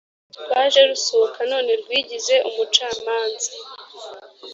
Rwaje rusuhuka none rwigize umucamanza